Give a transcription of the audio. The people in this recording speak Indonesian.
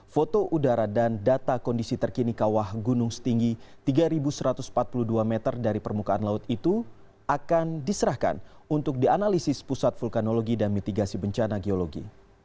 foto udara dan data kondisi terkini kawah gunung setinggi tiga satu ratus empat puluh dua meter dari permukaan laut itu akan diserahkan untuk dianalisis pusat vulkanologi dan mitigasi bencana geologi